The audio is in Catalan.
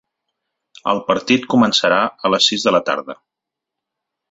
El partit començarà a les sis de la tarda.